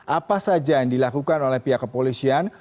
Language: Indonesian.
apa saja yang dilakukan oleh pihak kepolisian